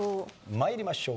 参りましょう。